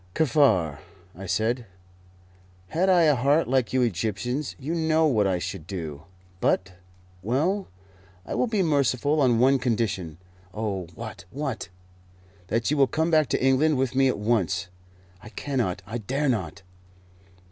"Kaffar," I said, "had I a heart like you Egyptians, you know what I should do; but well, I will be merciful on one condition." "Oh, what what?" "That you will come back to England with me at once." "I cannot; I dare not.